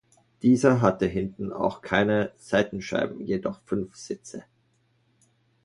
Dieser hatte hinten auch keine Seitenscheiben, jedoch fünf Sitze.